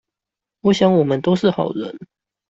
我想我們都是好人